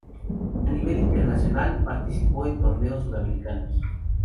A nivel internacional, participó en torneos sudamericanos.